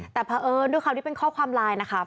แต่เพราะเอิญด้วยความที่เป็นข้อความไลน์นะคะ